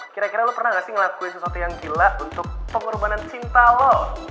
kira kira lo pernah gak sih ngelakuin sesuatu yang gila untuk pengorbanan cinta lo